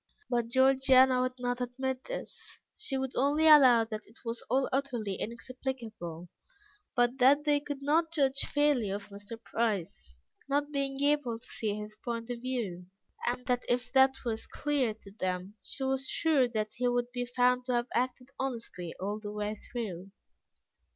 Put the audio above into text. But Georgiana would not admit this; she would only allow that it was all utterly inexplicable, but that they could not judge fairly of Mr. Price, not being able to see his point of view, and that if that was clear to them, she was sure that he would be found to have acted honestly all the way through.